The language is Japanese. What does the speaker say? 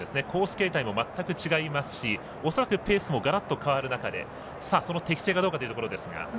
形態も全く違いますし恐らくペースもがらっと変わる中でその適正がどうかというところですが。